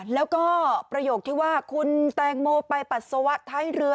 แล้วก็ประโยคที่ว่าคุณแตงโมไปปัสสาวะท้ายเรือ